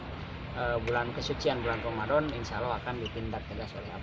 jadi bulan kesucian bulan ramadan insya allah akan dipindah ke dasar